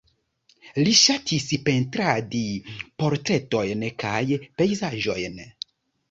Li ŝatis pentradi portretojn kaj pejzaĝojn.